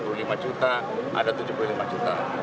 ada satu juta ada dua puluh lima juta ada tujuh puluh lima juta